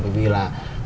bởi vì là